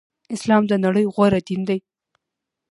اسلام د نړی غوره دین دی.